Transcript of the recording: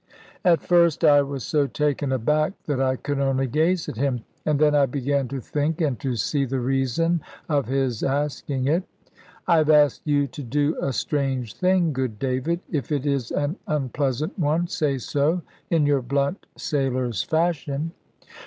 At first I was so taken aback that I could only gaze at him. And then I began to think, and to see the reason of his asking it. "I have asked you to do a strange thing, good David; if it is an unpleasant one, say so in your blunt sailor's fashion."